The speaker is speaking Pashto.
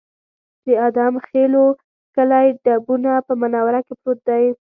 د ادم خېلو کلی ډبونه په منوره کې پروت دی